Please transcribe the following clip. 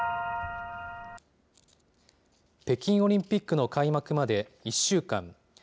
北京オリンピックの開幕まで１週間。